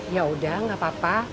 yaudah nggak apa apa